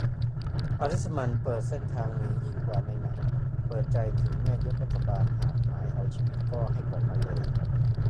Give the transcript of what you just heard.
อริสมันต์เปิดเส้นทางหนียิ่งกว่าในหนัง เปิดใจถึงแม่ยกรัฐบาลหากหมายเอาชีวิตก็ให้บอกมาเลย